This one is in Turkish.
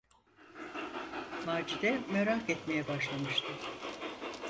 Macide merak etmeye başlamıştı.